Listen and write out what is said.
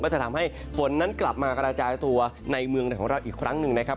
จะทำให้ฝนนั้นกลับมากระจายตัวในเมืองของเราอีกครั้งหนึ่งนะครับ